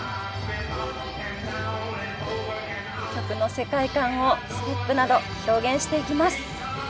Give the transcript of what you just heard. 曲の世界観をステップなど表現していきます。